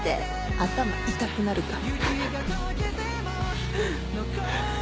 頭痛くなるから。